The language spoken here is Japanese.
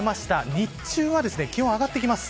日中は気温が上がってきます。